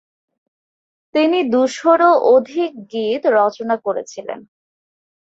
তিনি দুশোরও অধিক গীত রচনা করেছিলেন।